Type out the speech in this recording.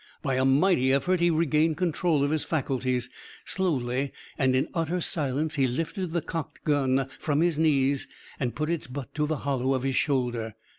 By a mighty effort he regained control of his faculties. Slowly and in utter silence he lifted the cocked gun from his knees and put its butt to the hollow of his shoulder.